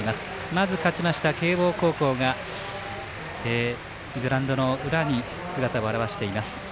まず勝ちました慶応高校がグラウンドの裏に姿を現しています。